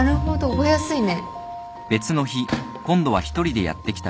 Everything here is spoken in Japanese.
覚えやすいね。